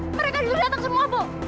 mereka sudah datang semua bu